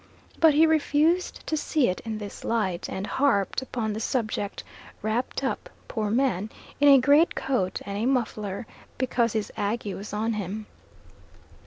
But he refused to see it in this light and harped upon the subject, wrapped up, poor man, in a great coat and a muffler, because his ague was on him.